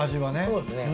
そうですね。